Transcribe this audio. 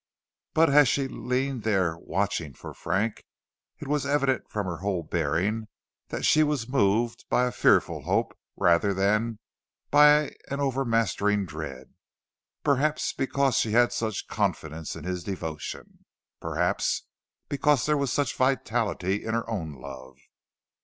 But as she leaned there watching for Frank, it was evident from her whole bearing that she was moved by a fearful hope rather than by an overmastering dread; perhaps because she had such confidence in his devotion; perhaps because there was such vitality in her own love.